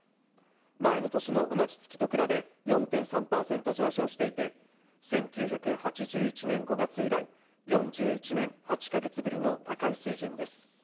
前の年の同じ月と比べ４．３％上昇していて、１９８１年５月以来、４１年８か月ぶりの高い水準です。